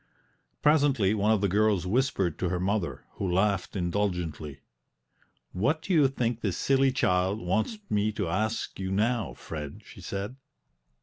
Presently one of the girls whispered to her mother, who laughed indulgently. "What do you think this silly child wants me to ask you now, Fred?" she said.